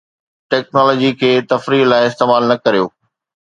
technology کي تفريح لاء استعمال نه ڪريو